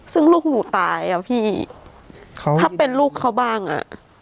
ซึ่งลูกหนูตายอ่ะพี่ถ้าเป็นลูกเขาบ้างอ่ะ